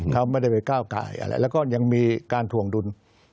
เขาไม่ได้ไปก้าวกายอะไรแล้วก็ยังมีการถวงดุล